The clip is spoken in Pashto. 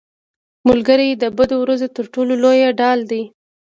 ملګری د بدو ورځو تر ټولو لویه ډال دی